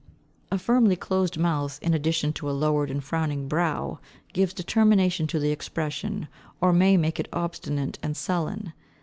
A firmly closed mouth, in addition to a lowered and frowning brow, gives determination to the expression, or may make it obstinate and sullen.